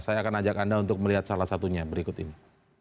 saya akan ajak anda untuk melihat salah satunya berikut ini